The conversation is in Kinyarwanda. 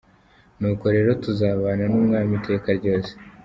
Nuko rero tuzabana n'Umwami iteka ryose.